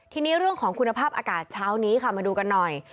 ทีนี้เรื่องของคุณภาพอากาศเช้านี้ค่ะมาดูกันหน่อย